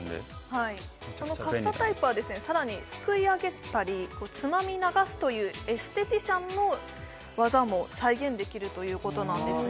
はいこのカッサタイプはですねさらにすくい上げたりつまみ流すというエステティシャンの技も再現できるということなんですね